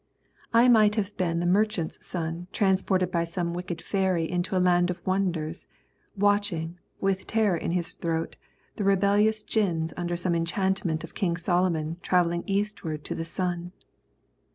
I might have been the Merchant's Son transported by some wicked fairy to a land of wonders, watching, with terror in his throat, the rebellious jins under some enchantment of King Solomon travelling eastward to the sun.